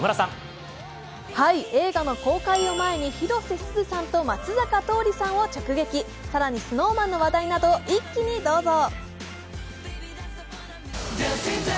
映画の公開を前に広瀬すずさんと松坂桃李さんを直撃、更にＳｎｏｗＭａｎの話題など一気にどうぞ。